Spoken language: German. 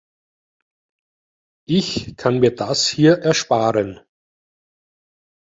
Ich kann mir das hier ersparen.